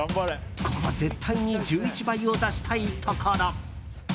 ここは絶対に１１倍を出したいところ。